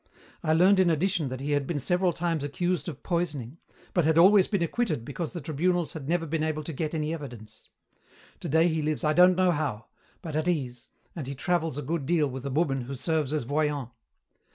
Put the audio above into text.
I learned in addition that he had several times been accused of poisoning, but had always been acquitted because the tribunals had never been able to get any evidence. Today he lives I don't know how, but at ease, and he travels a good deal with a woman who serves as voyant.